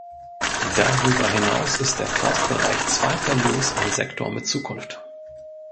Darüber hinaus ist der Forstbereich zweifellos ein Sektor mit Zukunft.